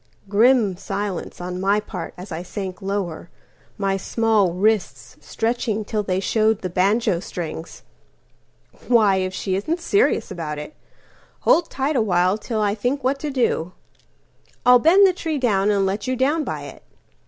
Grim silence on my part as I sank lower, My small wrists stretching till they showed the banjo strings."Why, if she isn't serious about it! Hold tight awhile till I think what to do. I'll bend the tree down and let you down by it."